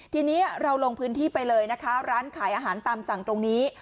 ทีนี้เราลงพื้นที่ไปเลยนะคะร้านขายอาหารตามสั่งตรงนี้